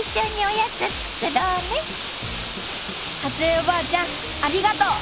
江おばあちゃんありがとう！